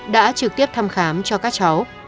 đã trực tiếp thăm khám cho các cháu